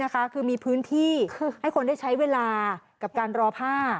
คือมีพื้นที่ให้คนได้ใช้เวลากับการรอผ้า